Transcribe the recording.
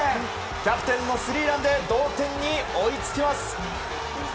キャプテンのスリーランで同点に追いつきます。